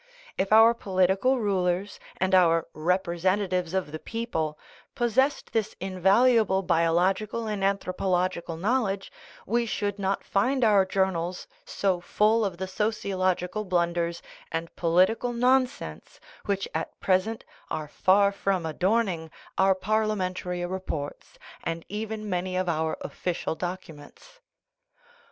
If our political rulers and our " representatives of the people " possessed this invaluable biological and anthropological knowledge, we should not find our journals so full of the sociological blunders and political nonsense which at present are far from adorning our parliamentary reports, and even many of our official documents.